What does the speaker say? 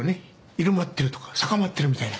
入間ってるとか坂間ってるみたいな。